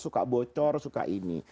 suka bocor suka ini